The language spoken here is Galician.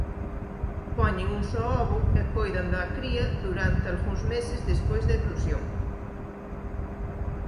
Poñen un só ovo e coidan da cría durante algúns meses despois da eclosión.